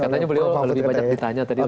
katanya beliau lebih banyak ditanya tadi